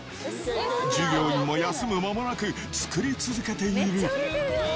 従業員も休む間もなく作り続けている。